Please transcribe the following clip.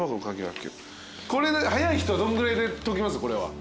これ早い人はどんぐらいで解きます？